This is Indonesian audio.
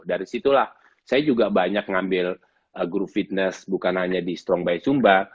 dari situlah saya juga banyak ngambil guru fitness bukan hanya di strong by sumba